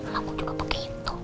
kamu juga begitu